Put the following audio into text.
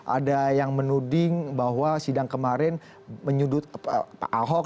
ada yang menuding bahwa sidang kemarin menyudut pak ahok